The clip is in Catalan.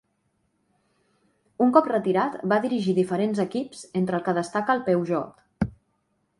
Un cop retirat va dirigir diferents equips entre el que destaca el Peugeot.